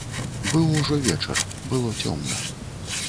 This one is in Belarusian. Быў ужо вечар, было цёмна.